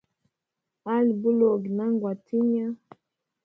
Ali buloge na ngwa tinya.